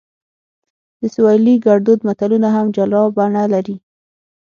د سویلي ګړدود متلونه هم جلا بڼه لري